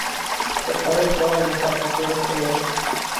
dezaoito anos ata que el chegou.